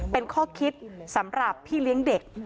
เป็นข้อคิดสำหรับพี่เลี้ยงเด็ก